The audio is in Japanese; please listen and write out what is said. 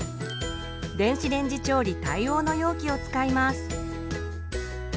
電子レンジ調理対応の容器を使います。